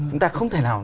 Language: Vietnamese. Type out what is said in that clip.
chúng ta không thể nào